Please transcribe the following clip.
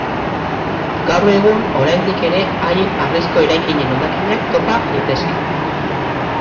Gaur egun oraindik ere haien harrizko eraikinen hondakinak topa litezke.